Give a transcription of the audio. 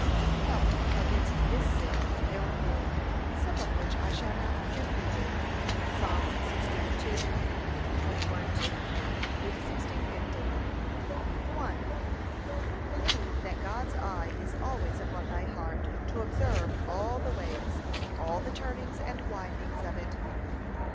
Helps against this sin there are many, some of which I shall now present thee with. (Psa. 16:2; 21:2; Luke 16:15). 1. Believe that God's eye is always upon thy heart, to observe all the ways, all the turnings and windings of it.